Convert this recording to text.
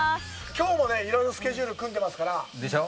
きょうもね、いろいろスケジュールを組んでますから。でしょ？